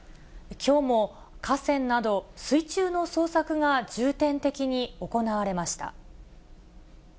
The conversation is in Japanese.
きょうも河川など、水中の捜索が重点的に行われました。